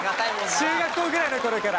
中学校ぐらいの頃から。